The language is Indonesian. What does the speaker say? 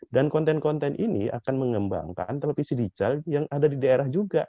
dan konten konten ini akan mengembangkan televisi digital yang ada di daerah juga